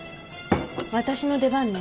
私の出番ね。